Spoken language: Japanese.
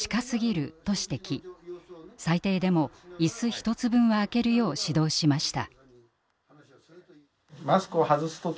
最低でも椅子１つ分はあけるよう指導しました。